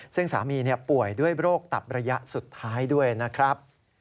ซึ่งสามีป่วยด้วยโรคตับระยะสุดท้ายด้วยนะครับ